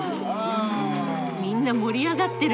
みんな盛り上がってる。